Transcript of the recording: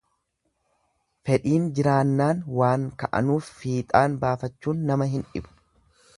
Fedhiin jiraannaan waan ka'anuf fiixaan baafachuun nama hin dhibu.